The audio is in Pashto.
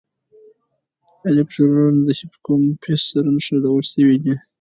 الکترودونه د هیپوکمپس سره نښلول شوي دي.